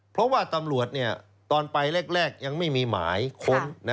เพราะว่าตำรวจตอนไปแรกยังไม่มีหมายค้น